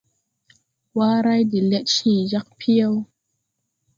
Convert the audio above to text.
Waray de lɛd cẽẽ jag piyɛw.